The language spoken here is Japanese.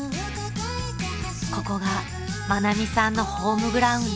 ［ここが愛美さんのホームグラウンド］